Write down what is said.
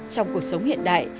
trong cuộc sống hiện đại